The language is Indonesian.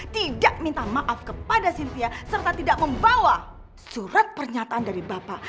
tidak minta maaf kepada sintia serta tidak membawa surat pernyataan dari bapak